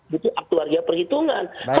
butuh aktu harga perhitungan